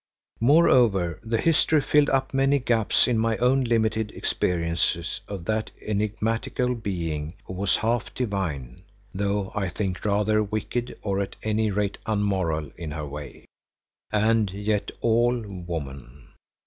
Moreover the history filled up many gaps in my own limited experiences of that enigmatical being who was half divine (though, I think, rather wicked or at any rate unmoral in her way) and yet all woman.